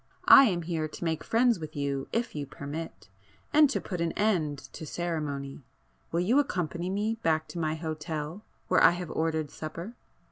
I am here to make friends with you if you permit,—and to put an end to ceremony, will you accompany me back to my hotel where I have ordered supper?"